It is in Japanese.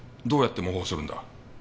どうやって模倣するんだ？